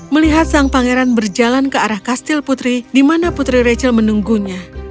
melihat sang pangeran berjalan ke arah kastil putri di mana putri rachel menunggunya